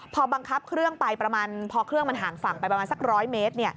พอบังคับเครื่องไปประมาณพอเครื่องมันห่างฝั่งไปประมาณสัก๑๐๐เมตร